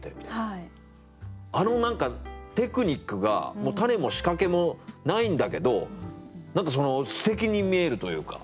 あの何かテクニックが種も仕掛けもないんだけど何かすてきに見えるというか。